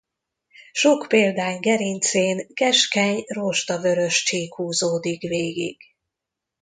Sok példány gerincén keskeny rozsdavörös csík húzódik végig.